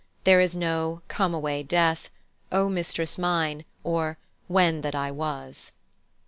There is no "Come away, Death," "O mistress mine," or "When that I was."